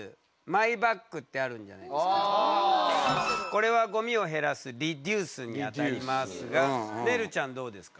これはごみを減らすリデュースにあたりますがねるちゃんどうですか。